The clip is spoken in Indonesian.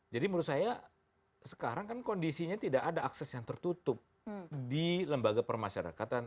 jadi menurut saya sekarang kan kondisinya tidak ada akses yang tertutup di lembaga permasyarakatan